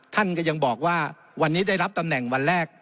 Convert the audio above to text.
ท่านก็ยังบอกว่าวันนี้ได้รับตำแหน่งวันแรก